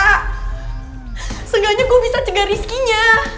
seenggaknya gue bisa cegah rizkinya